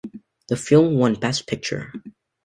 The film won Best Picture.